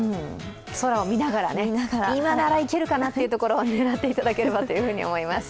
空を見ながらね、今ならいけるかなというところを狙っていただければと思います。